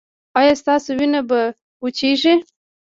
ایا ستاسو وینه به وچیږي؟